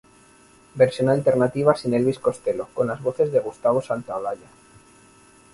Versión alterna sin Elvis Costello, con las voces de Gustavo Santaolalla.